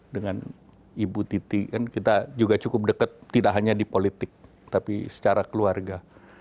dengan ibu titi kan kita juga cukup dekat tidak hanya di politik tapi secara keluarga